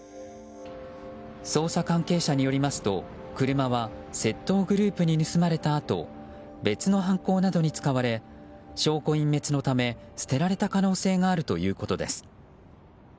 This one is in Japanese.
捜査関係者によりますと、車は窃盗グループに盗まれたあと別の犯行などに使われ証拠隠滅のため捨てられた可能性があるということです。